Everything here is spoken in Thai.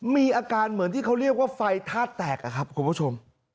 มีอาการเหมือนที่เขาเรียกว่าไฟธาตุแตกครับคุณผู้ชม